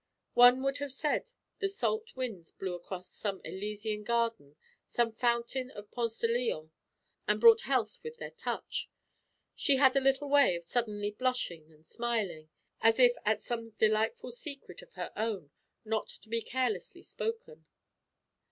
One would have said the salt winds blew across some Elysian garden, some fountain of Ponce de Leon, and brought health with their touch. She had a little way of suddenly blushing and smiling, as if at some delightful secret of her own not to be carelessly spoken.